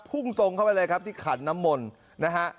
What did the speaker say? พุ่งตรงเข้าไปเลยครับที่ขันน้ำมนต์นะฮะ